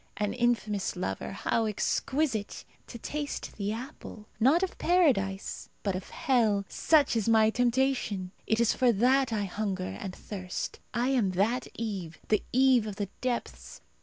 An infamous lover, how exquisite! To taste the apple, not of Paradise, but of hell such is my temptation. It is for that I hunger and thirst. I am that Eve, the Eve of the depths.